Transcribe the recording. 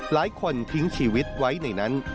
หลายคนทิ้งชีวิตไว้ในนั้น